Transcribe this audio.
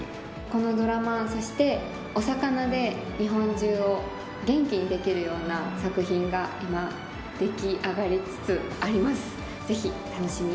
このドラマそしてお魚で日本中を元気にできるような作品が今出来上がりつつあります。